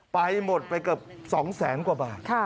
ไปหมดไปเกือบ๒แสนกว่าบาท